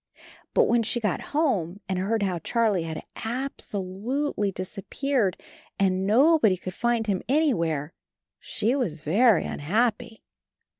But when she got home and heard how Charlie had ab so lute ly disappeared and nobody could find him anywhere, she was very unhappy.